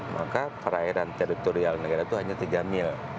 maka perairan teritorial negara itu hanya tiga mil